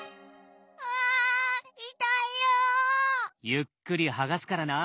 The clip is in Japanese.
ゆっくり剥がすからな。